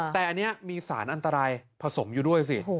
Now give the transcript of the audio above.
แต่อันนี้มีสารอันตรายผสมอยู่ด้วยสิ